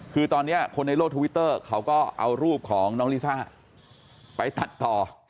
คือตอนนี้คนในโลกทวิตเตอร์เขาก็เอารูปของน้องลิซ่าไปตัดต่อ